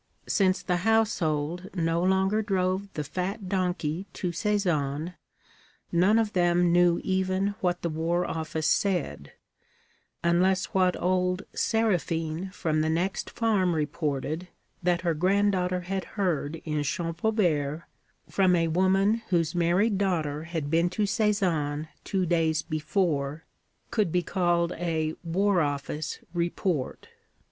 Since the household no longer drove the fat donkey to Sézanne, none of them knew even what the War Office said unless what old Séraphine from the next farm reported that her granddaughter had heard in Champaubert from a woman whose married daughter had been to Sézanne two days before, could be called a War Office report.